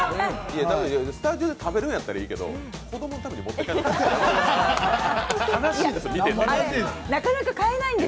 スタジオで食べるんやったらいいけど、子供のために持って帰らないで。